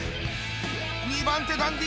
２番手ダンディ